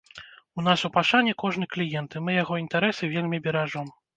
У нас у пашане кожны кліент і мы яго інтарэсы вельмі беражом.